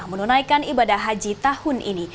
menunaikan ibadah haji tahun ini